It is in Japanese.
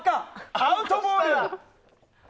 アウトボールだ。